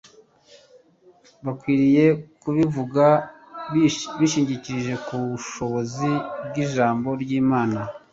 Bakwiriye kubivuga bishingikirije ku bushobozi bw'Ijambo ry'Imana,